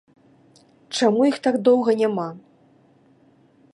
Чаму іх так доўга няма?